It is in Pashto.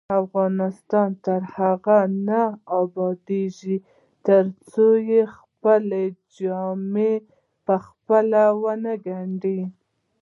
افغانستان تر هغو نه ابادیږي، ترڅو خپلې جامې پخپله ونه ګنډو.